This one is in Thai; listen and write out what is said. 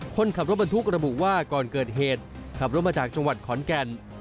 คนขับรถบรรทุกระบุว่าก่อนเกิดเหตุขับรถมาจากจังหวัดขอนแก่น